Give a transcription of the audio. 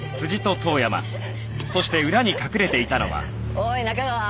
おい仲川。